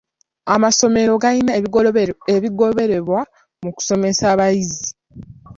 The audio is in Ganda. Amasomero galina ebigobererwa mu kusomesa abayizi.